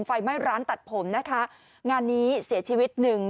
ไฟไหม้ร้านตัดผมนะคะงานนี้เสียชีวิตหนึ่ง